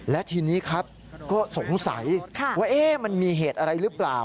และทีนี้ครับก็สงสัยว่ามันมีเหตุอะไรหรือเปล่า